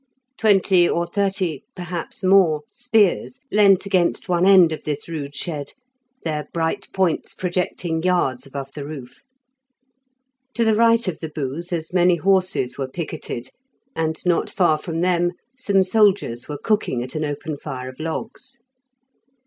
Twenty or thirty, perhaps more, spears leant against one end of this rude shed, their bright points projecting yards above the roof. To the right of the booth as many horses were picketed, and not far from them some soldiers were cooking at an open fire of logs.